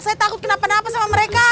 saya takut kenapa napa sama mereka